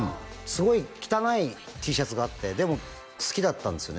すごい汚いＴシャツがあってでも好きだったんですよね